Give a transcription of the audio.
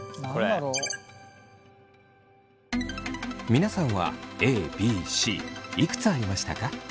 皆さんはＡＢＣいくつありましたか？